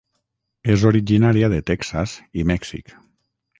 És originària de Texas i Mèxic.